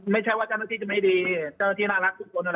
ไม่ใช่ว่าเจ้าหน้าที่จะไม่ดีเจ้าหน้าที่น่ารักทุกคน